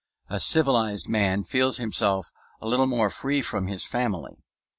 A civilized man feels himself a little more free from his family.